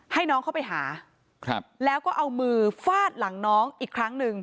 ให้น้องเข้าไปหาครับแล้วก็เอามือฟาดหลังน้องอีกครั้งหนึ่ง